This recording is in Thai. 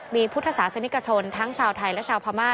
มีพุทธศาสนิกชนทั้งชาวไทยและชาวพม่า